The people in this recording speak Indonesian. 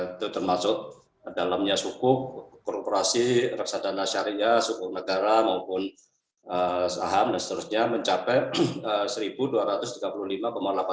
itu termasuk dalamnya suku korporasi reksadana syariah suku negara maupun saham dan seterusnya mencapai rp satu dua ratus tiga puluh lima delapan juta